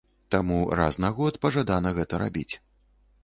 Таму раз на год пажадана гэта рабіць.